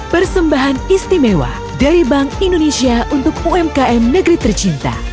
persembahan istimewa dari bank indonesia untuk umkm negeri tercinta